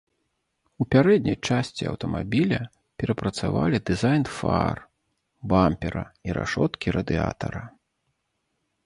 У пярэдняй часці аўтамабіля перапрацавалі дызайн фар, бампера і рашоткі радыятара.